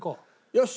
よし！